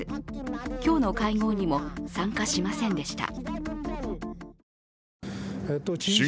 今日の会合にも参加しませんでした。